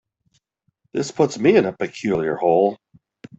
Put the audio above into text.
This puts me in a peculiar hole.